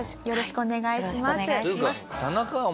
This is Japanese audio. よろしくお願いします。